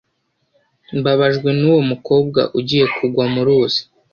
mbabajwe nuwo mukobwa ugiye kugwa muruzi